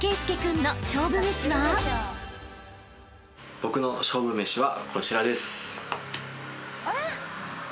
僕の勝負飯はこちらです。